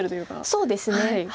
そうですね。